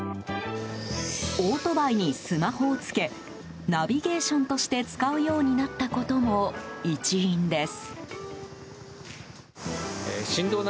オートバイにスマホを付けナビゲーションとして使うようになったことも一因です。